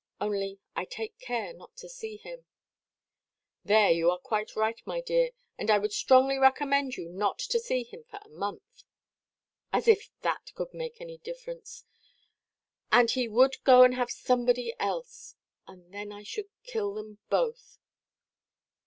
Only I take care not to see him." "There you are quite right, my dear: and I would strongly recommend you not to see him for a month." "As if that could make any difference! And he would go and have somebody else. And then I should kill them both."